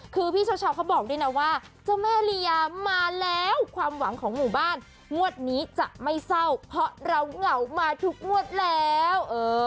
คือพี่เช้าเขาบอกด้วยนะว่าเจ้าแม่ลียามาแล้วความหวังของหมู่บ้านงวดนี้จะไม่เศร้าเพราะเราเหงามาทุกงวดแล้ว